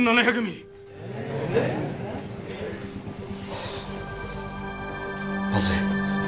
はあまずい。